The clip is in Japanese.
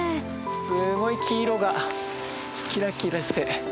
すごい黄色がキラキラして。